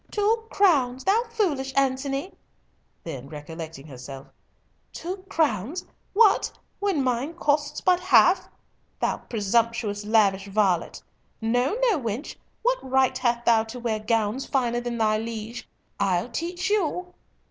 "Two crowns! thou foolish Antony!" Then recollecting herself, "two crowns! what, when mine costs but half! Thou presumptuous, lavish varlet—no, no, wench! what right hast thou to wear gowns finer than thy liege?—I'll teach you."